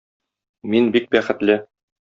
Мин бик бәхетле.